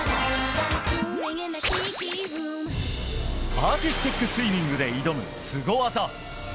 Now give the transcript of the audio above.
アーティスティックスイミングで挑むスゴ技！